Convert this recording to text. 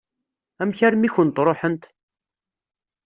Amek armi i kent-ṛuḥent?